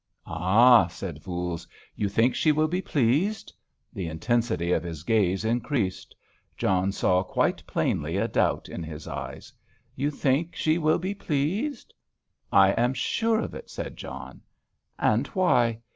"Ah," said Voules, "you think she will be pleased?" The intensity of his gaze increased. John saw quite plainly a doubt in his eyes. "You think she will be pleased?" "I am sure of it," said John. "And why?"